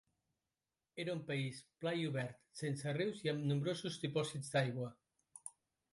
Era un país pla i obert, sense rius i amb nombrosos dipòsits d'aigua.